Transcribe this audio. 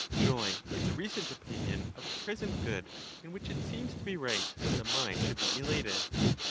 Joy is a recent opinion of a present good, in which it seems to be right that the mind should be elated.